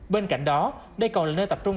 bên cạnh đó đây còn là nơi tập trung